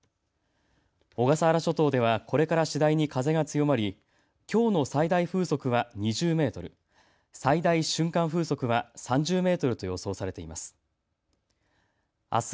小笠原諸島ではこれから次第に風が強まりきょうの最大風速は２０メートル、最大瞬間風速は３０メートルと予想されています。